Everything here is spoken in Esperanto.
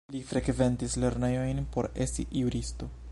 Li frekventis lernejojn por esti juristo.